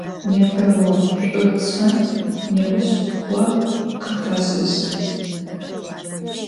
Nêpe vo ş'u pş'en, nêuş vo khıpfaş'ejın.